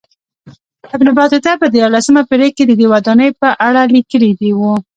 ابن بطوطه په دیارلسمه پېړۍ کې ددې ودانۍ په اړه لیکلي و.